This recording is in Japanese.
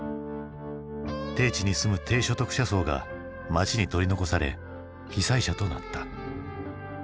低地に住む低所得者層が街に取り残され被災者となった。